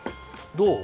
どう？